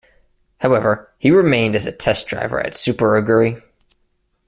However, he remained as a test driver at Super Aguri.